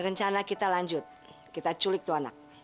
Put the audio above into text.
rencana kita lanjut kita culik itu anak